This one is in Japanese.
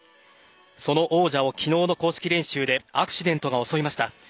その王者を昨日の公式練習でアクシデントが襲いました。